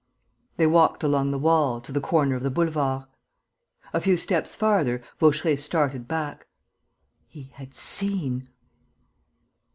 They walked along the wall, to the corner of the boulevard. A few steps farther Vaucheray started back: he had seen!